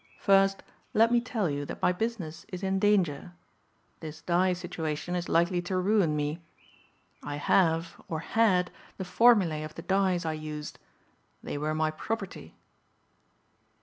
"First let me tell you that my business is in danger. This dye situation is likely to ruin me. I have, or had, the formulae of the dyes I used. They were my property."